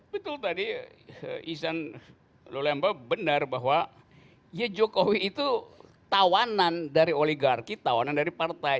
betul tadi izan lulemba benar bahwa ya jokowi itu tawanan dari oligarki tawanan dari partai